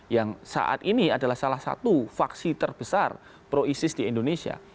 yang saat ini adalah salah satu faksi terbesar pro isis di indonesia